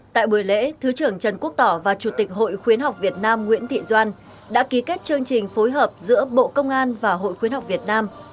tại buổi lễ thứ trưởng trần quốc tỏ và chủ tịch hội khuyến học việt nam nguyễn thị doan đã ký kết chương trình phối hợp giữa bộ công an và hội khuyến học việt nam